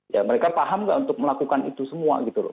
ya mereka paham nggak untuk melakukan itu semua gitu loh